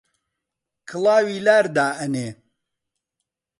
کڵاوی لار دائەنێ